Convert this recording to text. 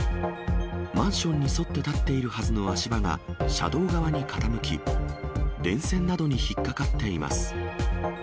マンションに沿って立っているはずの足場が車道側に傾き、電線などに引っかかっています。